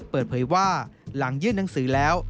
เปิดเผยว่าหลังยื่นหนังสือแล้ว